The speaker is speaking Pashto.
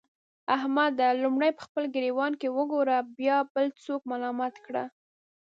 احمده! لومړی په خپل ګرېوان کې وګوره؛ بيا بل څوک ملامت کړه.